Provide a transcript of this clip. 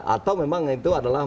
atau memang itu adalah